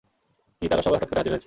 কী, তারা সবাই হঠাৎ করে হাজির হয়েছে?